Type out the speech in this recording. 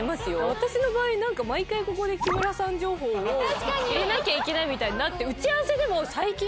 私の場合毎回ここで木村さん情報を入れなきゃいけないみたいになって。